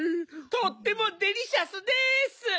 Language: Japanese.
とってもデリシャスです！